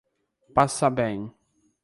Passabém